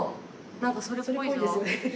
何かそれっぽいぞ。